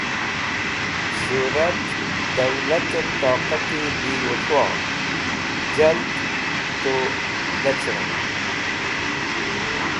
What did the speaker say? Surat, duwlatet toqati bi wẽfo jald to lecrẽn.